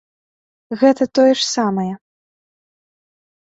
Гэта тое ж самае.